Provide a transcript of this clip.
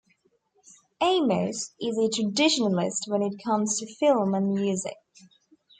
Amos is a traditionalist when it comes to film and music.